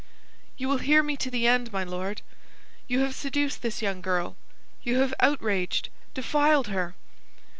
"You will hear me to the end, my Lord. You have seduced this young girl; you have outraged, defiled her.